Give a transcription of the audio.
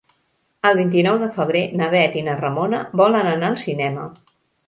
El vint-i-nou de febrer na Bet i na Ramona volen anar al cinema.